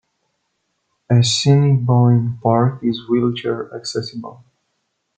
Assiniboine Park is wheelchair-accessible.